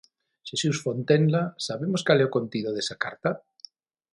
Xesús Fontenla, sabemos cal é o contido desa carta?